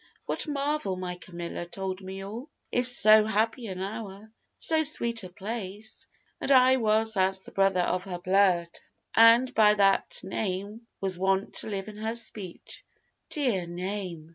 What marvel my Camilla told me all? It was so happy an hour, so sweet a place, And I was as the brother of her blood, And by that name was wont to live in her speech, Dear name!